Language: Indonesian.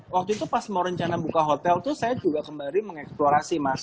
waktu itu pas mau rencana buka hotel tuh saya juga kembali mengeksplorasi mas